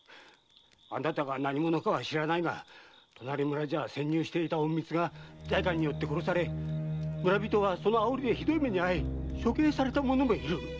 あなたが何者かは知らないが隣村じゃ潜入していた隠密が代官によって殺され村人はその煽りでひどい目に遭い処刑された者もいる！